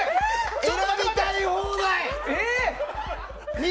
選びたい放題！